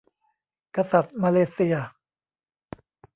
กษัตริย์มาเลเซีย